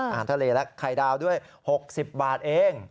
อาหารทะเลและไข่ดาวด้วย๖๐บาทเอง